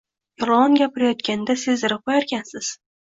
Yolg`on gapirayotganda sezdirib qo`yarkansiz